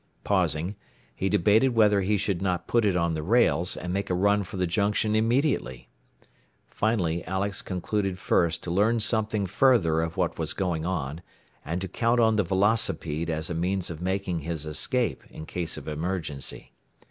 Pausing, he debated whether he should not put it on the rails, and make a run for the junction immediately. Finally Alex concluded first to learn something further of what was going on, and to count on the velocipede as a means of making his escape in case of emergency.